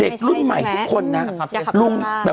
เด็กรุ่นใหม่ทุกคนนะ